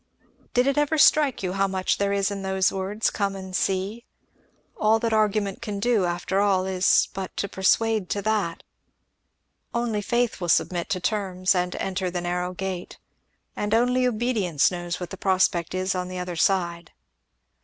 Did it ever strike you how much there is in those words 'Come and see'? All that argument can do, after all, is but to persuade to that. Only faith will submit to terms and enter the narrrow gate; and only obedience knows what the prospect is on the other side."